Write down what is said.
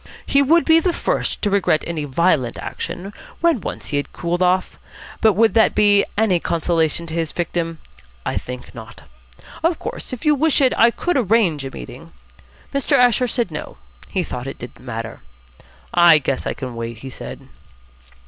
He would be the first to regret any violent action, when once he had cooled off, but would that be any consolation to his victim? I think not. Of course, if you wish it, I could arrange a meeting " Mr. Asher said no, he thought it didn't matter. "I guess I can wait," he said.